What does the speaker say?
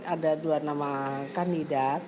ada dua nama kandidat